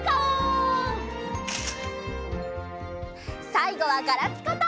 さいごはガラピコと。